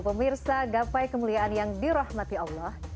pemirsa gapai kemuliaan yang dirahmati allah